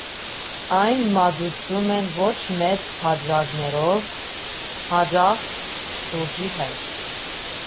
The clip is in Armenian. Այն մատուցում են ոչ մեծ բաժակներով, հաճախ սուրճի հետ։